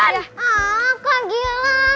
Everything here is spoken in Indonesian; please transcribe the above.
kak ilham tunggu